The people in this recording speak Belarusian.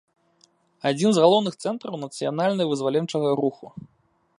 Адзін з галоўных цэнтраў нацыянальна-вызваленчага руху.